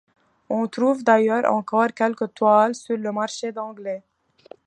On trouve d’ailleurs encore quelques toiles sur le marché anglais.